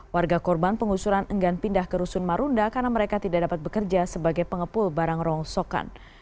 warga korban pengusuran enggan pindah ke rusun marunda karena mereka tidak dapat bekerja sebagai pengepul barang rongsokan